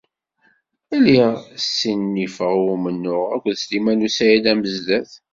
Lliɣ ssinifeɣ i umennuɣ akked Sliman u Saɛid Amezdat.